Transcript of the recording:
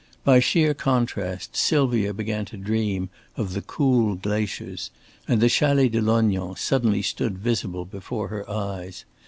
By sheer contrast, Sylvia began to dream of the cool glaciers; and the Chalet de Lognan suddenly stood visible before her eyes.